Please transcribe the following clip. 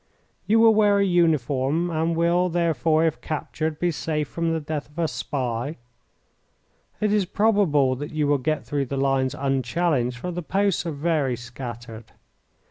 You will wear a uniform, and will, therefore, if captured, be safe from the death of a spy. It is probable that you will get through the lines unchallenged, for the posts are very scattered.